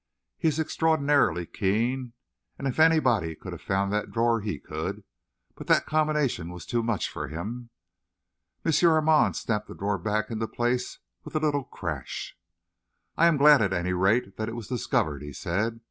He is extraordinarily keen, and if anybody could have found that drawer, he could. But that combination was too much for him." M. Armand snapped the drawer back into place with a little crash. "I am glad, at any rate, that it was discovered," he said.